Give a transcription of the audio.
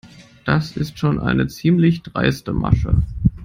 Das ist schon eine ziemlich dreiste Masche.